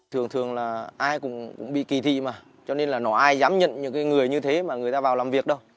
thường thường là ai cũng bị kỳ thi mà cho nên là nó ai dám nhận những người như thế mà người ta vào làm việc đâu